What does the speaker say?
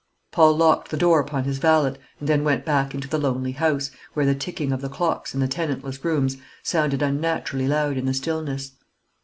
Paul locked the door upon his valet, and then went back into the lonely house, where the ticking of the clocks in the tenantless rooms sounded unnaturally loud in the stillness.